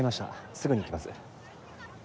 すぐに行きます。